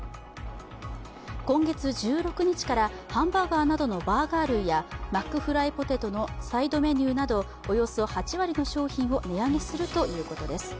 今月１６日からハンバーガーなどのバーガー類やマックフライポテトのサイドメニューなどおよそ８割の商品を値上げするということです。